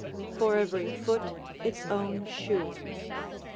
For every foot its own shoe.